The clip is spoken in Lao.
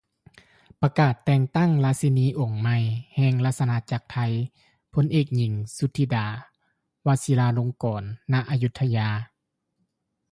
ປະກາດແຕ່ງຕັ້ງລາຊີນີອົງໃໝ່ແຫ່ງລາຊະອານາຈັກໄທ ພົນເອກຍິງ ສຸທິດາ ວະຊິຣາລົງກອນ ນະ ອາຍຸດທະຍາ